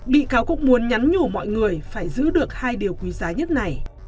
bị cáo cũng muốn nhắn nhủ mọi người phải giữ được hai điều quý giá nhất này